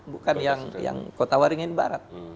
bukan yang kota waringin barat